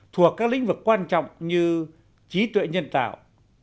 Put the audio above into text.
thuộc các lĩnh vực quan trọng như trí tuệ nhân tạo